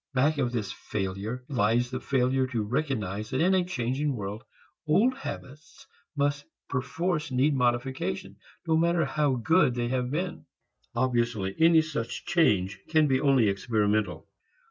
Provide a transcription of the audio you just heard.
Back of this failure lies the failure to recognize that in a changing world, old habits must perforce need modification, no matter how good they have been. Obviously any such change can be only experimental.